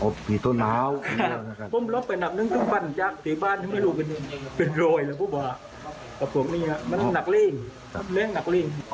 ได้โรยถ้าดับเนื้อมันหนักเล็ง